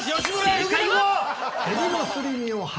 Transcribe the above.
正解は。